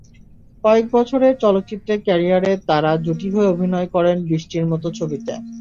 কয়েক বছরের চলচ্চিত্রে ক্যারিয়ারে তাঁরা জুটি হয়ে অভিনয় করেন বিশটির মতো ছবিতে।